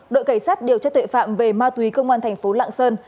đội cảnh sát điều tra tuệ phạm về ma túy công an thành phố lạng sơn